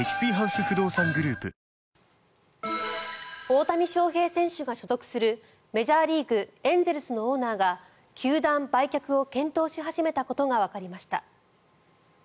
大谷翔平選手が所属するメジャーリーグ、エンゼルスのオーナーが球団売却を検討し始めたことがわかりました。